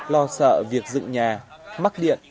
lo sợ việc dựng nhà mắc điện